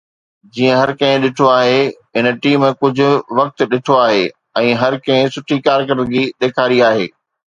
جيئن هر ڪنهن ڏٺو آهي، هن ٽيم ڪجهه وقت ڏٺو آهي ۽ هر ڪنهن سٺي ڪارڪردگي ڏيکاري آهي